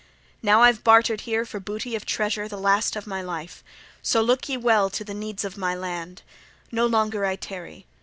Now I've bartered here for booty of treasure the last of my life, so look ye well to the needs of my land! No longer I tarry.